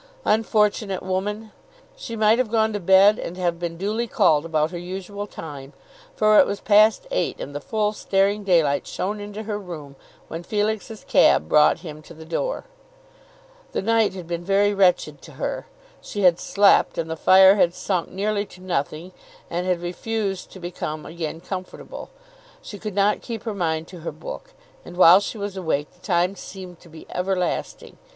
Unfortunate woman! she might have gone to bed and have been duly called about her usual time, for it was past eight and the full staring daylight shone into her room when Felix's cab brought him to the door. The night had been very wretched to her. She had slept, and the fire had sunk nearly to nothing and had refused to become again comfortable. She could not keep her mind to her book, and while she was awake the time seemed to be everlasting.